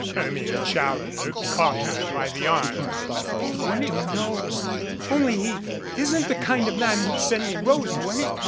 Hermia Challoner caught her by the arm. "Oh, I don't know only he isn't the kind of man who'd send me roses.